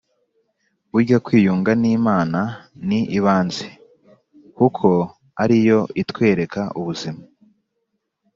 burya kwiyunga n’imana ni ibanze, kuko ari yo itwereka ubuzima